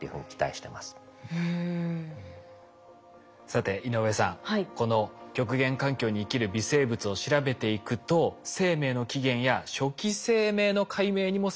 さて井上さんこの極限環境に生きる微生物を調べていくと生命の起源や初期生命の解明にも迫っていけるというんですよ。